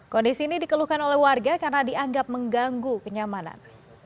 kondisi ini dikeluhkan oleh warga karena dianggap mengganggu kenyamanan